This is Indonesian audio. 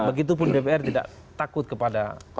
begitu pun dpr tidak takut kepada presiden